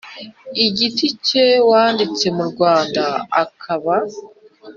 giti cye wanditse mu Rwanda akaba